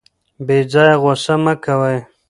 بې ځایه غوسه مه کوئ.